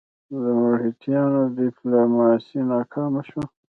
د مرهټیانو ډیپلوماسي ناکامه شوه.